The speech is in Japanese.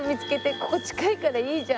ここ近いからいいじゃんって。